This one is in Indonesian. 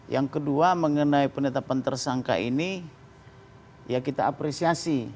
yang kedua mengenai penetapan tersangka ini ya kita apresiasi